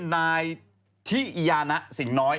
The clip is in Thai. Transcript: นายธิยนะสิ่งน้อย